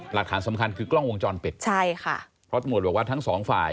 หลักฐานสำคัญคือกล้องวงจรปิดใช่ค่ะเพราะตำรวจบอกว่าทั้งสองฝ่าย